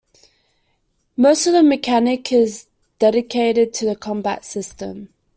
Most of the mechanic is dedicated to the combat system.